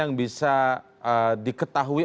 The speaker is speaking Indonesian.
yang bisa diketahui